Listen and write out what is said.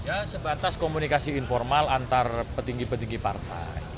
ya sebatas komunikasi informal antar petinggi petinggi partai